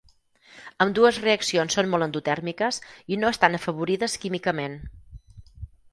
Ambdues reaccions són molt endotèrmiques i no estan afavorides químicament.